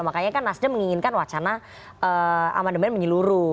makanya kan nasdem menginginkan wacana amandemen menyeluruh